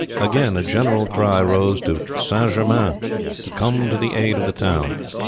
Again a general cry rose to St. Germain to come to the aid of the town.